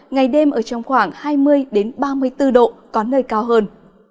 ngày đêm ở trong khoảng hai mươi ba mươi bốn độ có nơi cao hơn